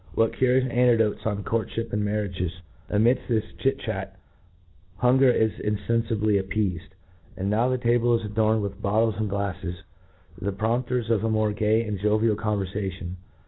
^what curipus anecdotes on courtfhip and marriages ! Amidft this eafy chitr chat) hunger is infeni^bly appeafed ; and now the table is adorned with bottles and glafles, the prompters of a more gay and jovial converfation.